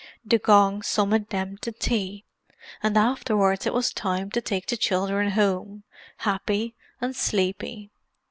The gong summoned them to tea; and afterwards it was time to take the children home, happy and sleepy.